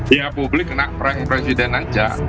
ya publik kena prank presiden aja